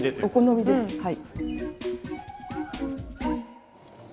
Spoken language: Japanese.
お好みですはい。